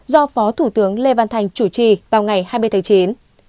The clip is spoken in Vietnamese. do phó thủ tướng lê văn thành chủ trì vào ngày hai mươi tháng chín